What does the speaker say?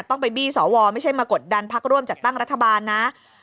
ต้องไปบี้สวไม่ใช่มากดดันพักร่วมจัดตั้งรัฐบาลนะ